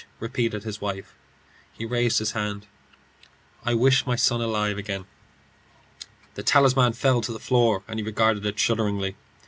repeated his wife. He raised his hand. "I wish my son alive again." The talisman fell to the floor, and he regarded it fearfully.